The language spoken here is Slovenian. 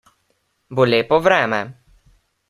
Bo lepo vreme?